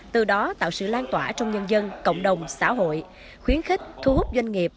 từ đó tạo sự lan tỏa trong nhân dân cộng đồng xã hội khuyến khích thu hút doanh nghiệp